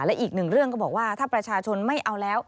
และอีกหนึ่งเรื่องก็บอกว่าถ้าประชาชนไม่เอาแล้ว